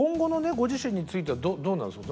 ご自身についてはどうなんですか？